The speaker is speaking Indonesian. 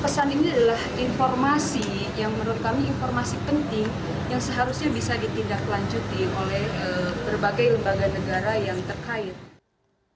pesan ini adalah informasi yang menurut kami informasi penting yang seharusnya bisa ditindaklanjuti oleh berbagai lembaga negara yang terkait